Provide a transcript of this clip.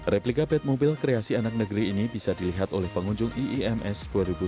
replika batmobile kreasi anak negeri ini bisa dilihat oleh pengunjung iims dua ribu sembilan belas